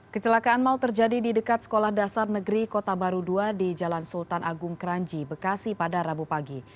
kecelakaan mau terjadi di dekat sekolah dasar negeri kota baru ii di jalan sultan agung kranji bekasi pada rabu pagi